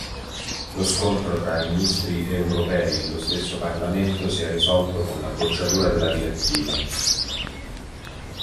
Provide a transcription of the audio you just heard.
Lo scontro tra i ministri europei e lo stesso Parlamento si è risolto con la bocciatura della direttiva.